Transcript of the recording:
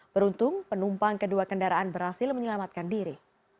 beruntung penumpang kedua kendaraan berhasil menyelamatkan diri